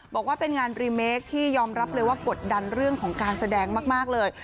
บอกว่าเป็นงานรีเมคที่ยอมรับเลยว่ากดดันเรื่องของการแสดงมากเลย